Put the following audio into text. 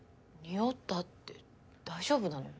匂ったって大丈夫なの？